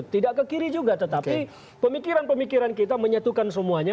tidak ke kiri juga tetapi pemikiran pemikiran kita menyatukan semuanya